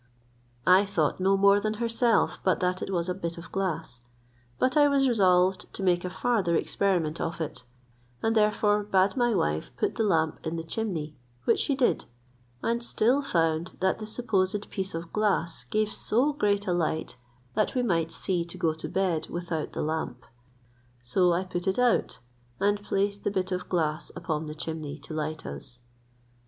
I thought no more than herself but that it was a bit of glass, but I was resolved to make a farther experiment of it; and therefore bade my wife put the lamp in the chimney, which she did, and still found that the supposed piece of glass gave so great a light, that we might see to go to bed without the lamp. So I put it out, and placed the bit of glass upon the chimney to light us.